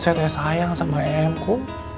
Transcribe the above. saya ternyata sayang sama emku